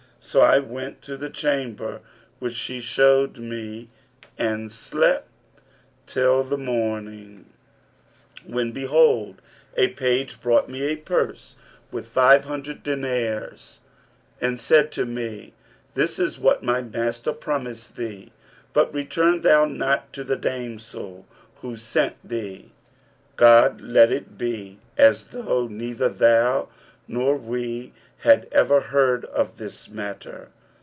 So I went to the chamber which she showed me and slept till the morning, when behold, a page brought me a purse of five hundred dinars and said to me, 'This is what my master promised thee; but return thou not to the damsel who sent thee, god let it be as though neither thou nor we had ever heard of this matter.'